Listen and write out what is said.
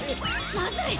まずい！